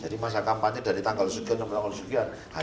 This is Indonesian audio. jadi masa kampanye dari tanggal sukian sampai tanggal sukian